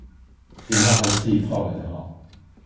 飲料還是自己泡來的好